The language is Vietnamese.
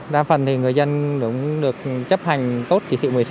đa phần thì người dân cũng được chấp hành tốt chỉ thị một mươi sáu